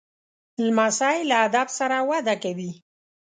لمسی له ادب سره وده کوي.